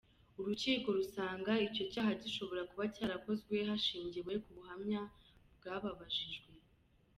Urukiko rusanga icyo cyaha gishobora kuba cyarakozwe hashingiwe ku buhamya bw’ababajijwe.